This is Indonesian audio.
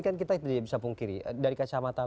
kan kita tidak bisa pungkiri dari kacamata